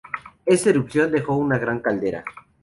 Esta erupción dejó una gran caldera.